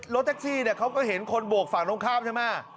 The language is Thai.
รถแท็กซี่เขาก็เห็นคนบวกฝั่งภาพใช่ไหม